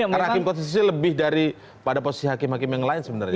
karena hakim kostisisi lebih dari pada posisi hakim hakim yang lain sebenarnya